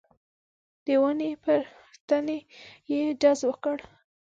د ونې پر تنې يې ډز وکړ.